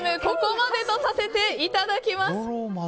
ここまでとさせていただきます。